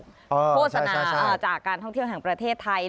โฆษณาจากการท่องเที่ยวแห่งประเทศไทย